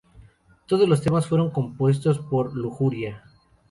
Todas los temas fueron compuestos por Lujuria.